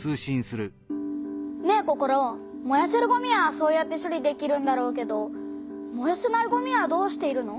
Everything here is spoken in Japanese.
ねえココロ。もやせるごみはそうやって処理できるんだろうけどもやせないごみはどうしているの？